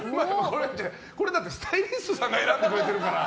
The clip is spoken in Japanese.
これ、だってスタイリストさんが選んでくれてるから。